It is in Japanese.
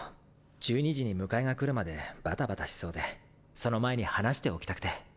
１２時に迎えが来るまでバタバタしそうでその前に話しておきたくて。